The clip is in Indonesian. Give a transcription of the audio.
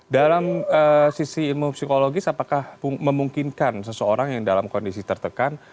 dalam sisi ilmu psikologis apakah memungkinkan seseorang yang dalam kondisi tertekan